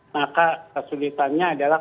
maka kesulitannya adalah